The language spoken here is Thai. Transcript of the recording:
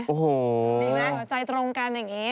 ดึงนะใจตรงกันอย่างนี้